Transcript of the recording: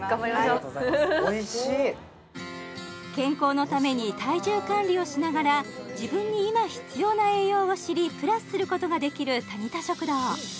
ありがとうございますおいしい健康のために体重管理をしながら自分に今必要な栄養を知りプラスすることができるタニタ食堂